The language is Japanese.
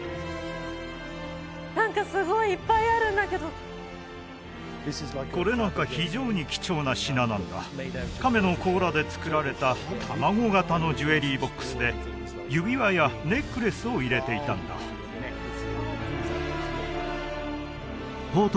何かすごいいっぱいあるんだけどこれなんか非常に貴重な品なんだ亀の甲羅で作られた卵形のジュエリーボックスで指輪やネックレスを入れていたんだポート